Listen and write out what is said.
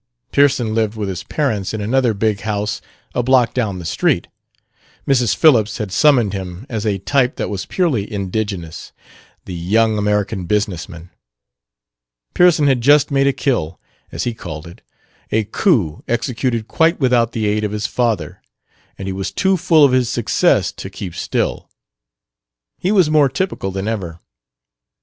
Pearson lived with his parents in another big house a block down the street. Mrs. Phillips had summoned him as a type that was purely indigenous the "young American business man." Pearson had just made a "kill," as he called it a coup executed quite without the aid of his father, and he was too full of his success to keep still; he was more typical than ever.